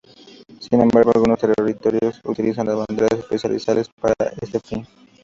Sin embargo, algunos territorios utilizan banderas especiales para este fin.